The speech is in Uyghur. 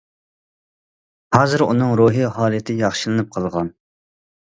ھازىر ئۇنىڭ روھىي ھالىتى ياخشىلىنىپ قالغان.